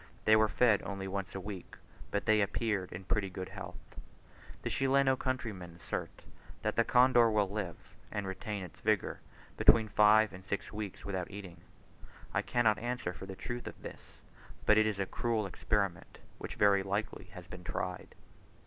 They were fed only once a week, but they appeared in pretty good health. The Chileno countrymen assert that the condor will live, and retain its vigour, between five and six weeks without eating: I cannot answer for the truth of this, but it is a cruel experiment, which very likely has been tried.